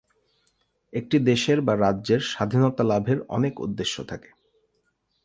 একটি দেশের বা রাজ্যের স্বাধীনতা লাভের অনেক উদ্দেশ্য থাকে।